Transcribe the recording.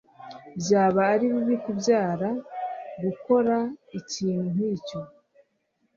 Byaba ari bibi kubyara gukora ikintu nkicyo.